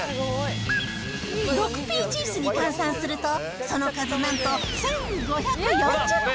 ６Ｐチーズに換算すると、その数なんと１５４０個。